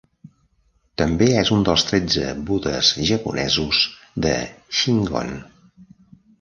També és un dels tretze budes japonesos de Shingon.